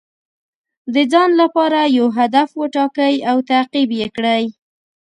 د ځان لپاره یو هدف وټاکئ او تعقیب یې کړئ.